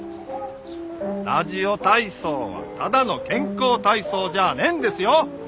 ラジオ体操はただの健康体操じゃあねんですよ！